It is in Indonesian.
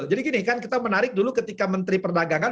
jadi gini kan kita menarik dulu ketika menteri perdagangan